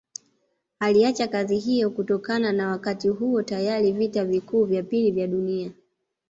Aliacha kazi hiyo kutokana na Wakati huo tayari vita vikuu vya pili vya dunia